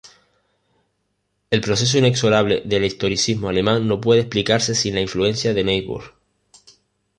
El progreso inexorable del historicismo alemán no puede explicarse sin la influencia de Niebuhr.